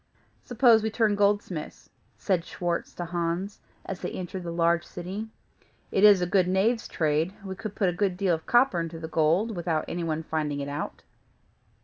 "Suppose we turn goldsmiths?" said Schwartz to Hans, as they entered the large city. "It is a good knave's trade; we can put a great deal of copper into the gold, without any one's finding it out."